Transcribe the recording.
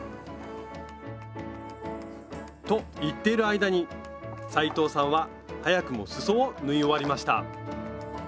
と言っている間に斉藤さんは早くもすそを縫い終わりました